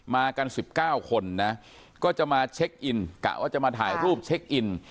มากัน๑๙คนนะก็จะมาเช็คอินกะว่าจะมาถ่ายรูปเช็คอิน